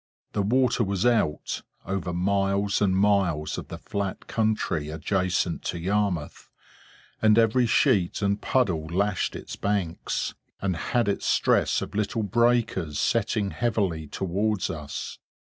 The water was out, over miles and miles of the flat country adjacent to Yarmouth; and every sheet and puddle lashed its banks, and had its stress of little breakers setting heavily towards us.